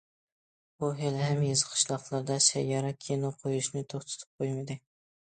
ئۇ ھېلىھەم يېزا، قىشلاقلاردا سەييارە كىنو قويۇشنى توختىتىپ قويمىدى.